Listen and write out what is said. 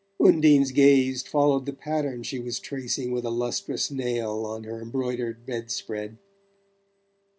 Undine's gaze followed the pattern she was tracing with a lustrous nail on her embroidered bedspread.